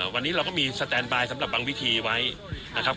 วันนี้เราก็มีสแตนบายสำหรับบางวิธีไว้นะครับ